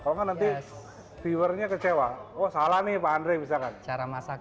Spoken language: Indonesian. kalau nanti viewersnya kecewa oh salah nih pak andre misalkan